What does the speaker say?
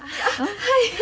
はい。